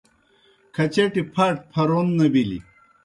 کھچَٹیْ پھاٹ پھرَون نہ بِلیْ۔